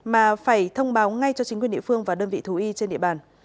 mà phải thông báo ngay cho chính quyền địa phương và đơn vị thú y trên địa bàn